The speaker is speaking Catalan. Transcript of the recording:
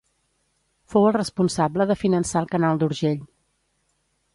Fou el responsable de finançar el Canal d'Urgell.